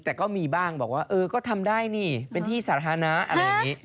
แต่ก็มีบ้างบอกว่าเออก็ทำได้นี่เป็นที่สาธารณะอะไรอย่างนี้